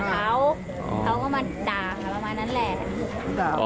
พวกพวกนี้ชนแกล้งชนหมาเขา